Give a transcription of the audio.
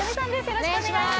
よろしくお願いします